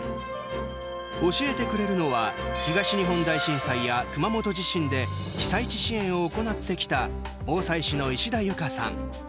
教えてくれるのは東日本大震災や熊本地震で被災地支援を行ってきた防災士の石田有香さん。